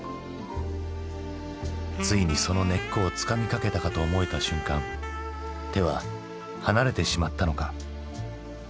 ついにその根っこをつかみかけたかと思えた瞬間手は離れてしまったのか？